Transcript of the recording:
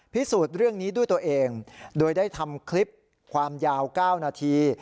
พิสูจน์เรื่องนี้ด้วยตัวเองโดยได้ทำคลิปความยาว๙นาที